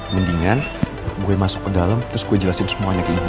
mendingan gue masuk ke dalam terus gue jelasin semuanya ke ibu